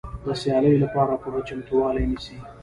د سیالۍ لپاره پوره چمتووالی نیسي.